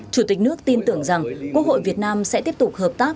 chủ tịch nước tin tưởng rằng quốc hội việt nam sẽ tiếp tục hợp tác